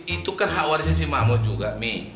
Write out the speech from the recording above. itu kan hak warisnya si mamut juga mi